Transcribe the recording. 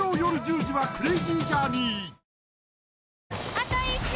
あと１周！